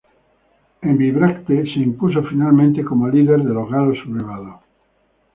En Bibracte, se impuso finalmente como líder de los galos sublevados.